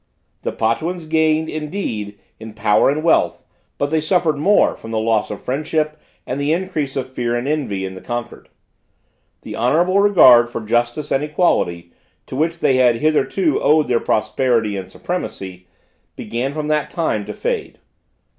The Potuans gained, indeed, in power and wealth, but they suffered more from the loss of friendship and the increase of fear and envy in the conquered. The honorable regard for justice and equity, to which they had hitherto owed their prosperity and supremacy, began from that time to fade.